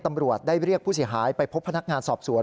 ตำรวจได้เรียกผู้เสียหายไปพบพนักงานสอบสวน